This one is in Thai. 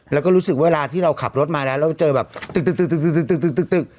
แล้วก็รู้สึกเวลาที่เราขับรถมาแล้วแล้วเจอแบบตึก